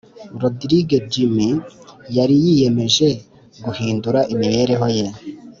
Rodirige Jimmy yari yiyemeje guhindura imibereho ye